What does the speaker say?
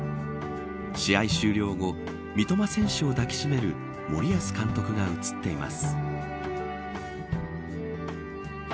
試合終了後、三笘選手を抱きしめる森保監督が映っています。